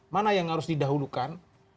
mana yang harus didahulukan